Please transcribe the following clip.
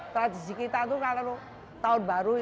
tradisi kita itu kalau tahun baru itu mesti mendatakan apa itu hogi